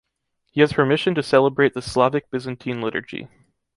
He has permission to celebrate the Slavic-Byzantine liturgy.